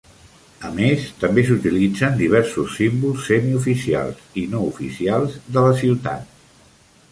A més, també s'utilitzen diversos símbols semioficials i no oficials de la ciutat.